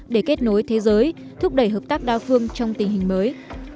để kết nối thế giới thúc đẩy hợp tác đa phương trong tình hình mới